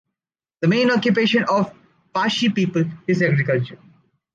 The main occupation of the Pachi people is agriculture..